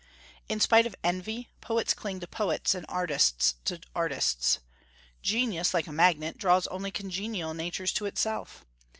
In spite of envy, poets cling to poets and artists to artists. Genius, like a magnet, draws only congenial natures to itself.